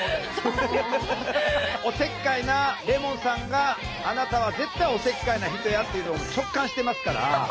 おせっかいなレモンさんがあなたは絶対おせっかいな人やっていうのを直感してますから。